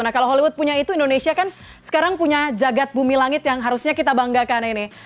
nah kalau hollywood punya itu indonesia kan sekarang punya jagat bumi langit yang harusnya kita banggakan ini